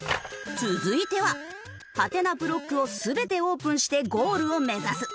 続いてはハテナブロックを全てオープンしてゴールを目指す。